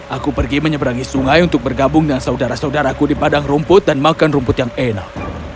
aku pergi menyeberangi sungai untuk bergabung dengan saudara saudaraku di padang rumput dan makan rumput yang enak